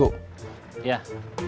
uangnya di rumah